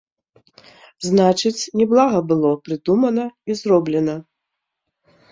Значыць, няблага было прыдумана і зроблена.